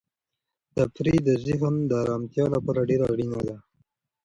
تفریح د ذهن د ارامتیا لپاره ډېره اړینه ده.